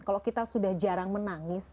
kalau kita sudah jarang menangis